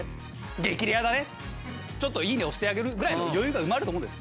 激レアだねちょっといいね押してあげるぐらいの余裕が生まれると思うんです。